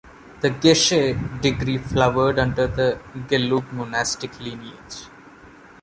The "geshe" degree flowered under the Gelug monastic lineage.